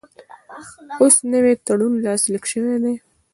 اوس نوی تړون لاسلیک شوی دی.